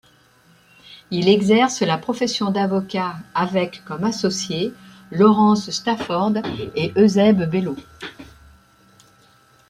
Il exerce la profession d'avocat avec comme associés Lawrence Stafford et Eusèbe Belleau.